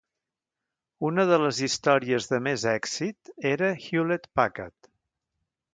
Una de les històries de més èxit era Hewlett-Packard.